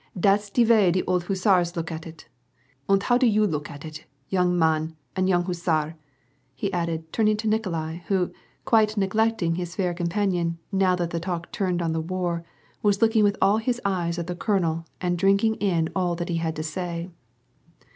" Dat's de vay ve old hussars look at it. And how do you look at it, young mahn and youjig hussar ?" he added, turning to Nikolai, who, quite neglecting his fair com panion, now that the talk turned on the war, wiis looking with all his eyes at the colonel and drinking in all that he had to say.